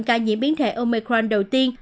ca nhiễm biến thể omicron đầu tiên